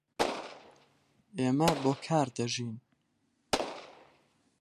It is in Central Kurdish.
ئێمە بۆ کار دەژین.